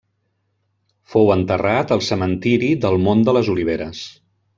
Fou enterrat al Cementiri del Mont de les Oliveres.